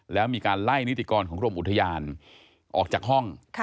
แล้วมีการไล่นิติกรของกรมอุทยานออกจากห้อง